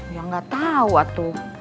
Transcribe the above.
ya gak tau atuh